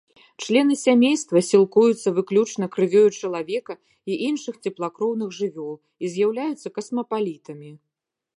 Члены сямейства сілкуюцца выключна крывёю чалавека і іншых цеплакроўных жывёл і з'яўляюцца касмапалітамі.